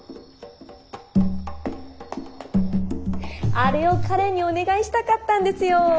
あれを彼にお願いしたかったんですよー。